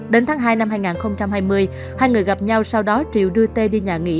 đến tháng hai năm hai nghìn hai mươi hai người gặp nhau sau đó triều đưa tê đi nhà nghỉ